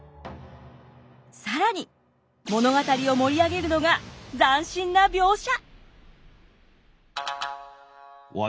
更に物語を盛り上げるのが斬新な描写！